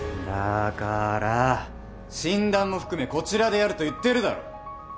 だから診断も含めこちらでやると言ってるだろう。